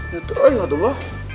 ya itu aja aduh ma